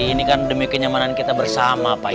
ini kan demi kenyamanan kita bersama pak